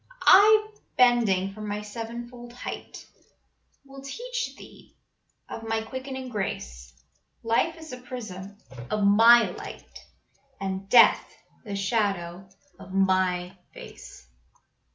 I, bending from my sevenfold height, Will teach thee of My quickening grace, Life is a prism of My light, And Death the shadow of My face."